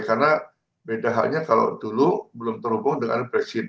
karena beda halnya kalau dulu belum terhubung dengan brexit